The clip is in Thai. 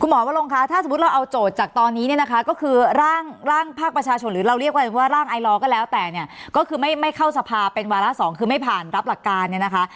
หมอวรงคะถ้าสมมุติเราเอาโจทย์จากตอนนี้เนี่ยนะคะก็คือร่างภาคประชาชนหรือเราเรียกว่าร่างไอลอก็แล้วแต่เนี่ยก็คือไม่เข้าสภาเป็นวาระสองคือไม่ผ่านรับหลักการเนี่ยนะคะ